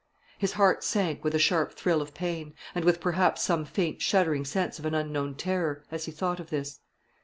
His heart sank with a sharp thrill of pain, and with perhaps some faint shuddering sense of an unknown terror, as he thought of this.